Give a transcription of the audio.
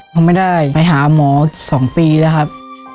ผมไม่ได้ไปหาหมอ๒ปีแล้วครับ